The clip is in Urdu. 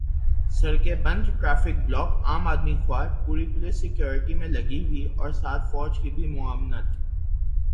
سڑکیں بند، ٹریفک بلاک، عام آدمی خوار، پوری پولیس سکیورٹی پہ لگی ہوئی اور ساتھ فوج کی بھی معاونت۔